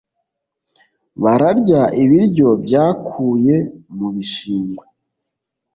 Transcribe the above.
bararya ibiryo bakuye mu bishingwe